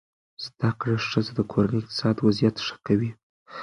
زده کړه ښځه د کورنۍ اقتصادي وضعیت ښه کوي.